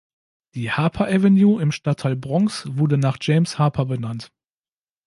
Die Harper Avenue im Stadtteil Bronx wurde nach James Harper benannt.